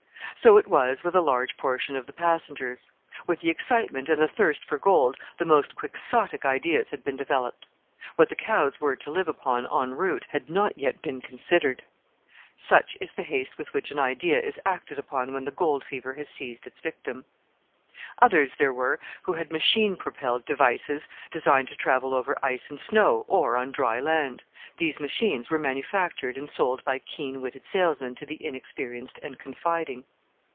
So it was with a large portion of the passengers. With the excitement and the thirst for gold the most quixotic ideas had been developed. What the cows were to live upon en route had not yet been considered! Such is the haste with which an idea is acted upon when the gold fever has seized its victim. Others there were who had machine propelled devices designed to travel over ice and snow, or on dry land. These machines were manufactured and sold by keen witted salesmen to the inexperienced and confiding.